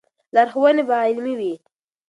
لارښوونې به علمي وي.